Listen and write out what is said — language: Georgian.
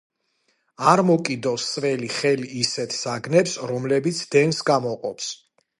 არ მოკიდო სველი ხელი ისეთ საგნებს, რომლებიც დენს გამოყოფს.